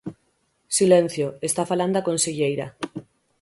Silencio, está falando a conselleira.